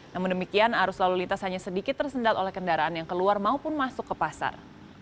namun demikian arus lalu lintas hanya sedikit tersendat oleh kendaraan yang keluar maupun masuk ke pasar